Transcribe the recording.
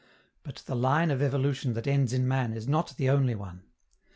But the line of evolution that ends in man is not the only one.